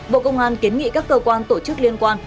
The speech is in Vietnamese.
bộ công an kiến nghị các cơ quan tổ chức liên quan